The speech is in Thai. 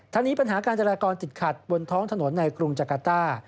นี้ปัญหาการจราจรติดขัดบนท้องถนนในกรุงจักรต้า